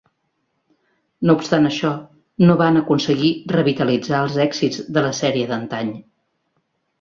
No obstant això, no van aconseguir revitalitzar els èxits de la sèrie d'antany.